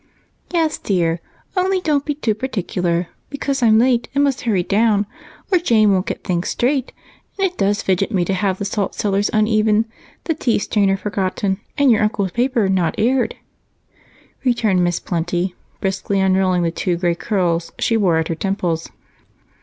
"Yes, dear only don't be too particular, because I'm late and must hurry down or Jane won't get things straight, and it does fidget me to have the saltcellars uneven, the tea strainer forgotten, and your uncle's paper not aired," returned Miss Plenty, briskly unrolling the two gray curls she wore at her temples.